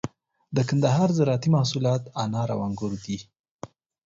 د کندهار زراعتي محصولات انار او انگور دي.